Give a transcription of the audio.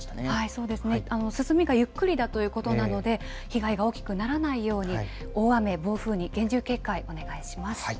進みがゆっくりだということで被害が大きくならないように大雨、暴風に厳重警戒をお願いします。